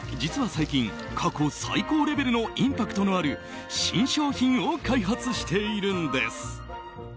実は最近、過去最高レベルのインパクトのある新商品を開発しているんです。